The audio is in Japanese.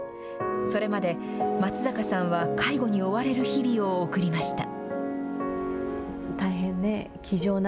それまで松坂さんは介護に追われる日々を送りました。